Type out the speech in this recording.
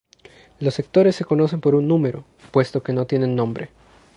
Los sectores se conocen por un número, puesto que no tienen nombre.